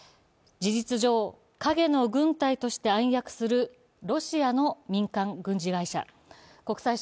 事実上、影の軍隊として暗躍するロシアの民間軍事会社。